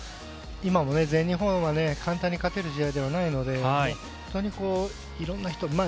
今も全日本は簡単に勝てる時代ではないので本当に色んな人